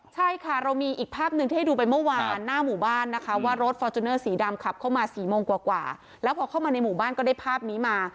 สีดำขับเข้ามาสี่โมงกว่ากว่าแล้วพอเข้ามาในหมู่บ้านก็ได้ภาพนี้มา